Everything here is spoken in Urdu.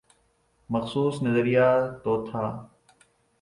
مخصوص نظریہ تو تھا۔